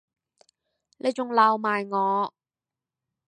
你仲鬧埋我